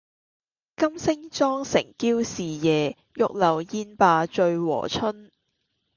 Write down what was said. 金星妝成嬌侍夜，玉樓宴罷醉和春。